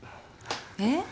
えっ？